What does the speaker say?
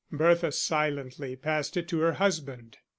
Bertha silently passed it to her husband.